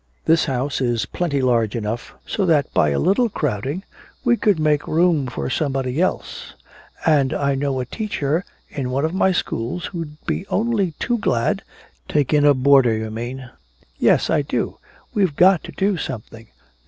This house is plenty large enough so that by a little crowding we could make room for somebody else. And I know a teacher in one of my schools who'd be only too glad " "Take a boarder, you mean?" "Yes, I do! We've got to do something!"